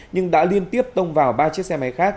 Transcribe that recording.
nhưng đã liên tiếp tông vào ba chiếc xe máy khác